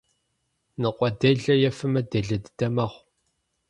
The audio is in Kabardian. Ныкъуэделэр ефэмэ, делэ дыдэ мэхъу.